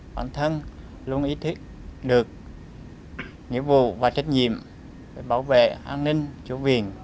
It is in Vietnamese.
bản thân luôn ý thích được nghĩa vụ và trách nhiệm bảo vệ an ninh chỗ viện